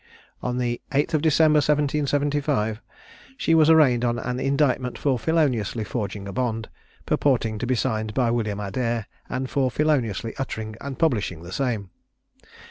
On the 8th of December, 1775, she was arraigned on an indictment for feloniously forging a bond, purporting to be signed by William Adair, and for feloniously uttering and publishing the same.